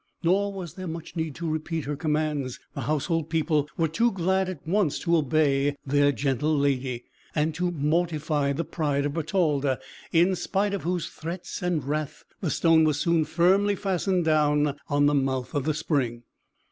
Nor was there much need to repeat her commands. The household people were too glad at once to obey their gentle lady, and to mortify the pride of Bertalda, in spite of whose threats and wrath, the stone was soon firmly fastened down on the mouth of the spring.